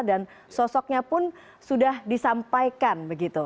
dan sosoknya pun sudah disampaikan